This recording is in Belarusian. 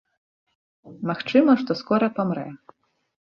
Магчыма, што скора памрэ.